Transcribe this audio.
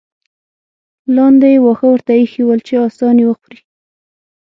لاندې یې واښه ورته اېښي ول چې اسان یې وخوري.